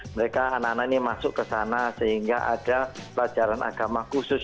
mereka anak anak ini masuk ke sana sehingga ada pelajaran agama khusus